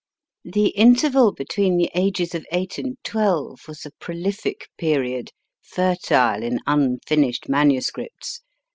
The interval between the ages of eight and twelve was a prolific period, fertile in unfinished MSS.